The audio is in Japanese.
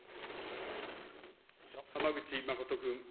浜口誠君。